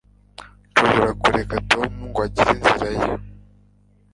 Ntushobora kureka Tom ngo agire inzira ye